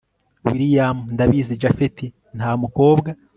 william ndabizi japhet ntamukobwa